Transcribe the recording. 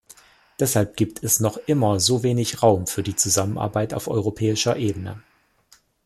Deshalb gibt es noch immer so wenig Raum für die Zusammenarbeit auf europäischer Ebene.